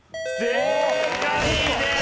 正解です！